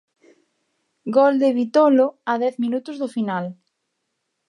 Gol de Vitolo a dez minutos do final.